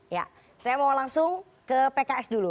ya saya mau langsung ke pks dulu